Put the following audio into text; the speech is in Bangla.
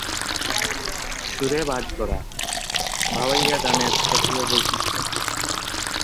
সুরে ভাঁজ পড়া ভাওয়াইয়া গানের স্বকীয় বৈশিষ্ট্য।